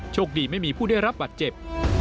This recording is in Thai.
โชคดีไม่มีผู้ได้รับบัตรเจ็บ